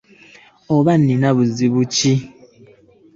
Oba Nina buzibu ki.